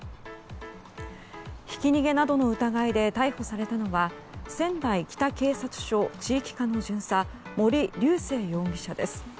ひき逃げなどの疑いで逮捕されたのは仙台北警察署地域課の巡査森瑠世容疑者です。